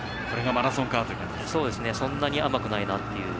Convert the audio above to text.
そんなに甘くないなっていう。